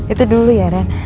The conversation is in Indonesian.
itu dulu ya ren